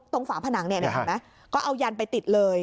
ตรงฝาผนังเนี่ยเห็นไหมก็เอายันไปติดเลย